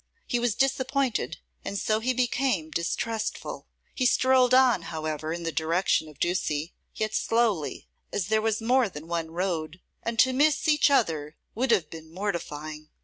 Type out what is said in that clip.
He was disappointed, and so he became distrustful. He strolled on, however, in the direction of Ducie, yet slowly, as there was more than one road, and to miss each other would have been mortifying.